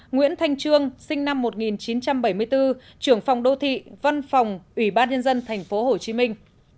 năm nguyễn thanh trương sinh năm một nghìn chín trăm bảy mươi bốn trưởng phòng đô thị văn phòng ủy ban nhân dân thành phố hồ chí minh